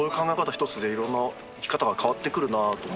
ひとつでいろんな生き方が変わってくるなと思って。